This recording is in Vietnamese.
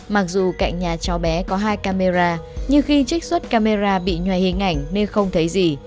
mặc dù cạnh nhà cháu bé có hai camera nhưng khi trích xuất camera bị nhòa hình ảnh nên không thấy gì